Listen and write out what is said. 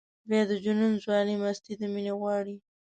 بیا د جنون ځواني مستي د مینې غواړي.